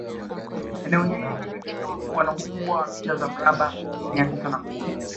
Eneo hili linakadiriwa kuwa na ukubwa wa mita za mraba mia tisa na kumi